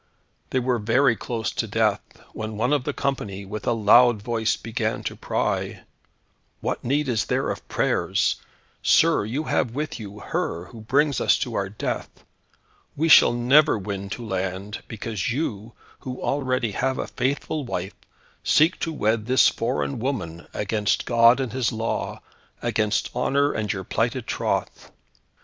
They were very close to death, when one of the company, with a loud voice began to cry, "What need is there of prayers! Sir, you have with you, her, who brings us to our death. We shall never win to land, because you, who already have a faithful wife, seek to wed this foreign woman, against God and His law, against honour and your plighted troth.